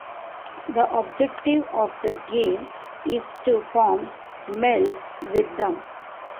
The objective of the game is to form melds with them.